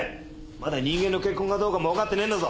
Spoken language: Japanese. まだ人間の血痕かどうかもわかってねえんだぞ。